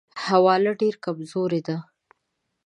حواله ډېره کمزورې ده.